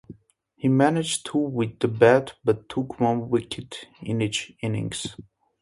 He managed two with the bat, but took one wicket in each innings.